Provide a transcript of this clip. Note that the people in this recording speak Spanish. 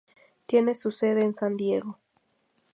Tiene su sede en San Diego.